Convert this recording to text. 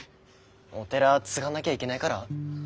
お寺継がなぎゃいけないから？